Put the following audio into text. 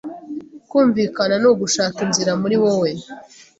kumvikana ni ugushaka inzira muri wowe